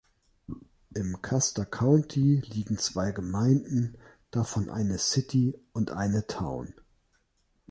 Im Custer County liegen zwei Gemeinden, davon eine "City" und eine "Town".